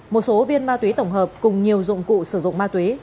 một số viên ma túy tổng hợp cùng nhiều dụng cụ sử dụng ma túy